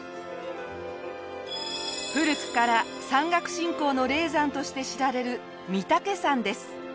古くから山岳信仰の霊山として知られる御岳山です。